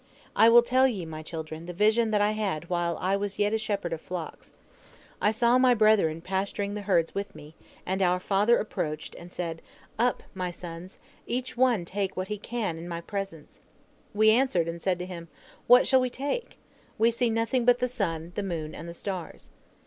"I will tell ye, my children, the vision I had while I was yet a shepherd of flocks. I saw my brethren pasturing the herds with me, and our father approached, and said: 'Up, my sons, each one take what he can in my presence!' We answered, and said to him, 'What shall we take? We see nothing but the sun, the moon, and the stars.'